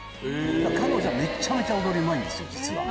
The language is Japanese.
彼女はめっちゃめちゃ踊りうまいんですよ実は。